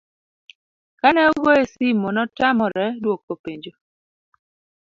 kane ogoye simo, notamore dwoko penjo